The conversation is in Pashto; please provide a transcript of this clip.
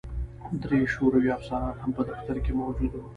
درې شوروي افسران هم په دفتر کې موجود وو